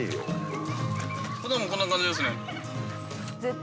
ふだんもこんな感じですね。